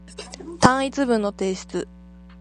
単一文の提出